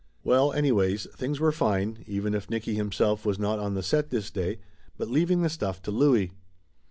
Well anyways, things were fine, even if Nicky him self was not on the set this day, but leaving the stuff to Louie.